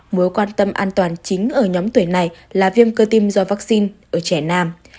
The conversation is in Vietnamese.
mối quan tâm an toàn chính ở nhóm tuổi này là viêm cơ tim do vaccine ở trẻ nam